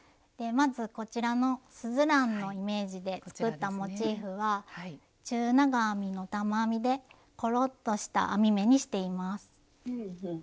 まずこちらのスズランのイメージで作ったモチーフは中長編みの玉編みでころっとした編み目にしています。